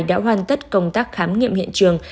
đã hoàn tất công tác khám nghiệm hiện trường